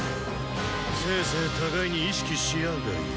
せいぜい互いに意識しあうがいい。